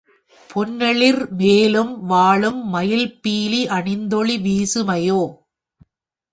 பொன்னேளிர் வேலும் வாளும் மயிற்பீலி அணிந்தொளி வீசு மையோ!